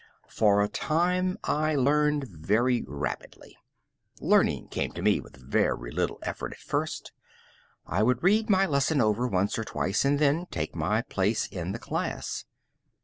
For a time I learned very rapidly. Learning came to me with very little effort at first. I would read my lesson over once or twice and then take my place in the class.